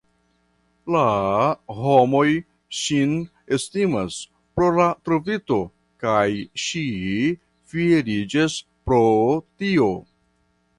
La homoj ŝin estimas pro la trovito, kaj ŝi fieriĝas pro tio.